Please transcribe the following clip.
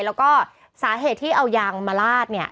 แล้วก็สาเหตุที่เอายางมาลาดเนี่ย